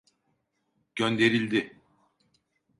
Gönderildi.